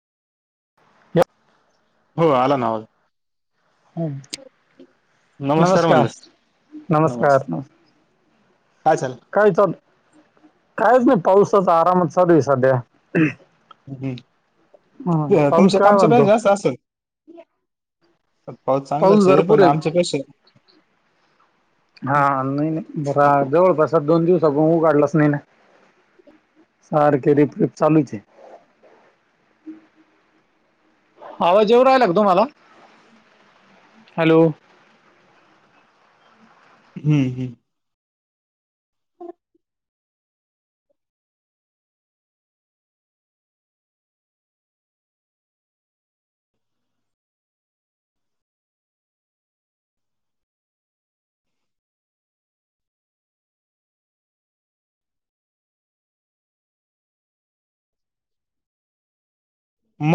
या [unintelligible] हो आलाना आवाज हम्म. नमस्कार म्हणल नमस्कार काय चाल काही चालं कायचं पावसाचा आरामच चालू आहे सध्या हम् हा पाऊस तुमच्याकड काय म्हणतो आमच्यापेक्षा जास्त असेल पाऊस चांगलाच भरपूर पण आहे. आमचे कसं हा नाही नाही जरा जवळपास दोन दिवसापासून उघाडलाच नाही ना सारखी रिपरिप चालूच हाय आवाज येऊ राहायला का तुम्हाला हॅलो हम्म हम्म